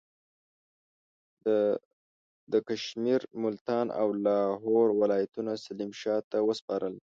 ده د کشمیر، ملتان او لاهور ولایتونه سلیم شاه ته وسپارل.